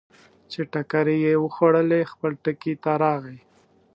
چې ټکرې یې وخوړلې، خپل ټکي ته راغی.